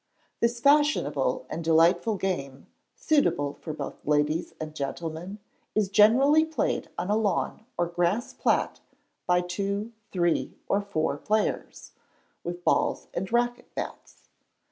This fashionable and delightful game, suitable for both ladies and gentlemen, is generally played on a lawn or grass plat by two, three, or four players, with balls and racquet bats.